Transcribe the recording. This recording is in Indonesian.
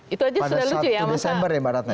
itu saja sudah lucu ya mbak ratna